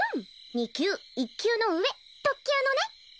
２級１級の上特級のね